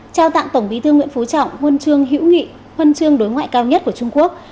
trao tặng tổng bí thư nguyễn phú trọng huân chương hữu nghị huân chương đối ngoại cao nhất của trung quốc